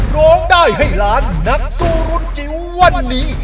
ร้องได้ให้ล้านนักสู้รุ่นจิ๋ววันนี้